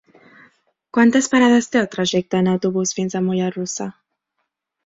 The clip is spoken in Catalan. Quantes parades té el trajecte en autobús fins a Mollerussa?